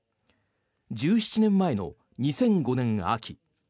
１７年前の２００５年秋。